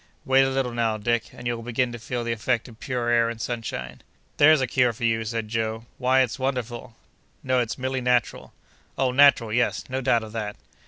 "Wait a little, now, Dick, and you'll begin to feel the effect of pure air and sunshine." "There's a cure for you!" said Joe; "why, it's wonderful!" "No, it's merely natural." "Oh! natural; yes, no doubt of that!"